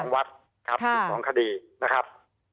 ๑๒วัด๑๒คดีนะครับ